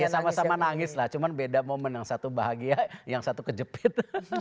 ya sama sama nangis lah cuma beda momen yang satu bahagia yang satu kejepit